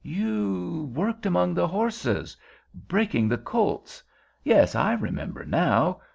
"You worked among the horses—breaking the colts. Yes, I remember now.